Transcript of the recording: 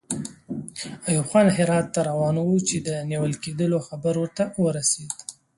ایوب خان هرات ته روان وو چې د نیول کېدلو خبر ورته ورسېد.